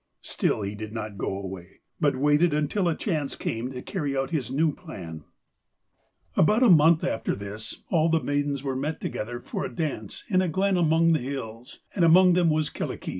Still he did not go away, but waited until a chance came to carry out his new plan. About a month after this, all the maidens were met together for a dance in a glen among the hills, and among them was Kyllikki.